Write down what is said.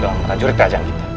dengan raja raja kita